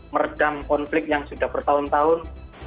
meredam konflik yang sudah bertahun tahun